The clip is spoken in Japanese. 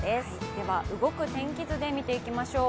では動く天気図で見ていきましょう。